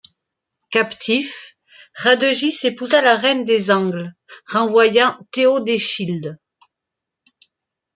Captif, Radegis épousa la reine des Angles., renvoyant Théodechilde.